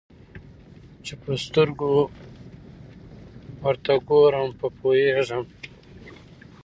چي په سترګو ورته ګورم په پوهېږم